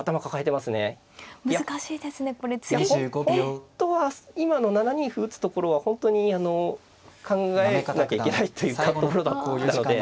本当は今の７二歩打つところは本当に考えなきゃいけないというかところだったので。